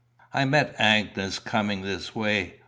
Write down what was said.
"I met Agnes coming this way.